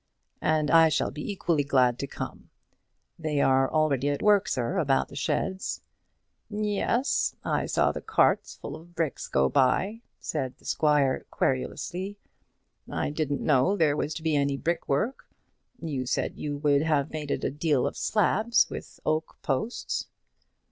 "And I shall be equally glad to come. They are already at work, sir, about the sheds." "Yes; I saw the carts full of bricks go by," said the squire, querulously. "I didn't know there was to be any brickwork. You said you would have it made of deal slabs with oak posts."